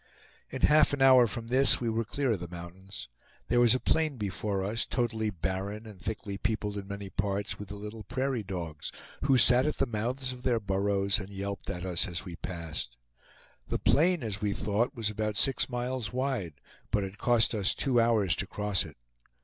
In half an hour from this we were clear of the mountains. There was a plain before us, totally barren and thickly peopled in many parts with the little prairie dogs, who sat at the mouths of their burrows and yelped at us as we passed. The plain, as we thought, was about six miles wide; but it cost us two hours to cross it.